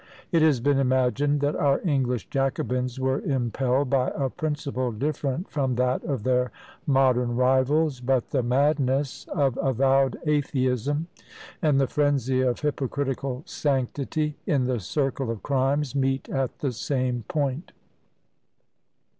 It has been imagined that our English Jacobins were impelled by a principle different from that of their modern rivals; but the madness of avowed atheism, and the frenzy of hypocritical sanctity, in the circle of crimes meet at the same point.